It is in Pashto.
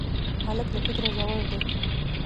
هلک له فکره ژور دی.